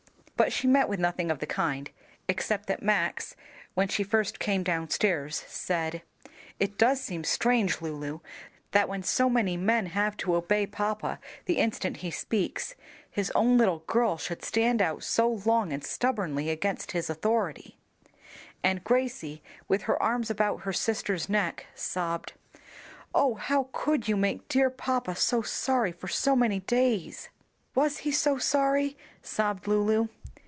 But she met with nothing of the kind, except that Max, when she first came downstairs, said. "It does seem strange, Lulu, that when so many men have to obey papa the instant he speaks, his own little girl should stand out so long and stubbornly against his authority;" and Gracie, with her arms about her sister's neck, sobbed, "O Lu how could you make dear papa so sorry for so many days?" "Was he so sorry?" sobbed Lulu.